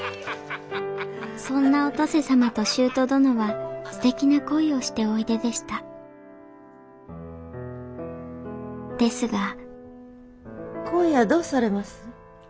そんなお登世様と舅殿はすてきな恋をしておいででしたですが今夜どうされます？